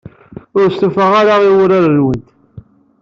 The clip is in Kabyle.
Ur stufaɣ ara i wurar-nwent.